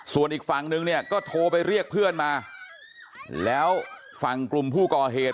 ส่วนอีกฝั่งนึงเนี่ยก็โทรไปเรียกเพื่อนมาแล้วฝั่งกลุ่มผู้ก่อเหตุ